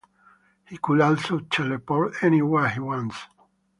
He could also "Teleport" anywhere he wants.